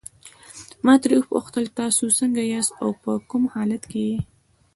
ما ترې وپوښتل تاسي څنګه یاست او په کوم حالت کې.